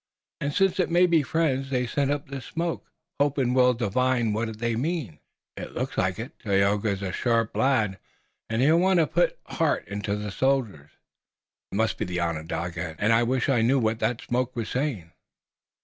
"And since it may be friends they've sent up this smoke, hoping we'll divine what they mean." "It looks like it. Tayoga is a sharp lad, and he'll want to put heart in the soldiers. It must be the Onondaga, and I wish I knew what his smoke was saying."